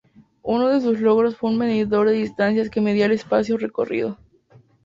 Uno de sus logros fue un medidor de distancias que medía el espacio recorrido.